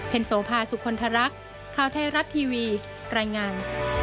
เพ็ญโสภาสุขลทรักข้าวเทศรัททีวีรายงาน